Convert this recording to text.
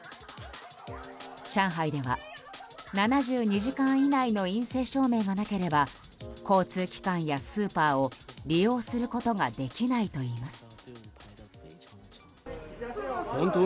上海では７２時間以内の陰性証明がなければ交通機関やスーパーを利用することができないといいます。